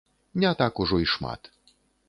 Не так ужо і шмат.